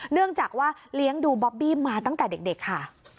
เนื่องจากว่าเลี้ยงดูบ๊อบบี้มาตั้งแต่เด็กค่ะ